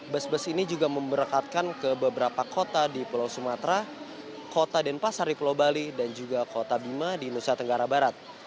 bus bus ini juga memberakatkan ke beberapa kota di pulau sumatera kota denpasar di pulau bali dan juga kota bima di nusa tenggara barat